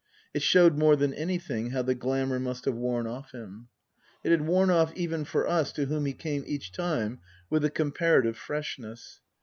It showed more than anything how the glamour must have worn off him. It had worn off even for us to whom he came each time with a comparative freshness.